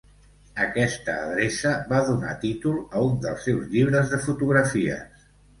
Aquesta adreça va donar títol a un dels seus llibres de fotografies.